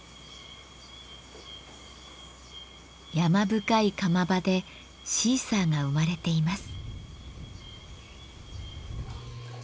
山深い窯場でシーサーが生まれています。